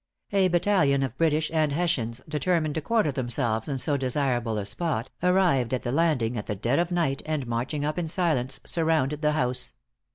A battalion of British and Hessians, determined to quarter themselves in so desirable a spot, arrived at the landing at the dead of night, and marching up in silence, surrounded the house.